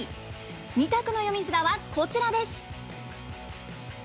２択の読み札はこちらです。